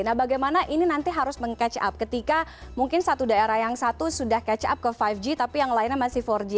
nah bagaimana ini nanti harus meng catch up ketika mungkin satu daerah yang satu sudah catch up ke lima g tapi yang lainnya masih empat g